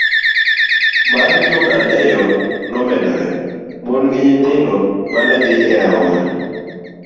mar jokal e yo nomedore, mon gi nyithindo mane dhi e aora